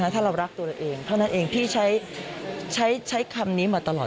ถ้าเรารักตัวเราเองเท่านั้นเองพี่ใช้คำนี้มาตลอด